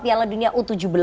piala dunia u tujuh belas